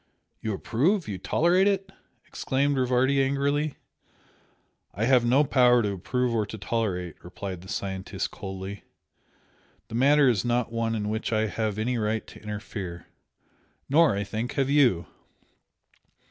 "You approve you tolerate it?" exclaimed Rivardi angrily. "I have no power to approve or to tolerate" replied the scientist, coldly "The matter is not one in which I have any right to interfere. Nor, I think, have YOU!